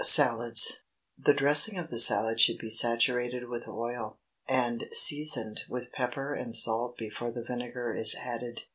SALADS. "The dressing of the salad should be saturated with oil, and seasoned with pepper and salt before the vinegar is added.